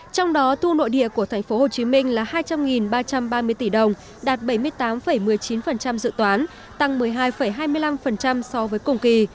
trong đó thu nội địa của tp hcm là hai trăm linh ba trăm ba mươi tỷ đồng đạt bảy mươi tám một mươi chín dự toán tăng một mươi hai hai mươi năm so với cùng kỳ